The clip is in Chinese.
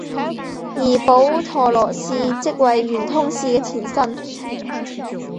而补陀罗寺即为圆通寺的前身。